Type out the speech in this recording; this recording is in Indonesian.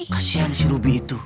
kasian si ruby itu